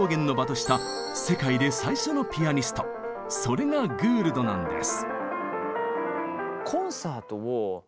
それがグールドなんです。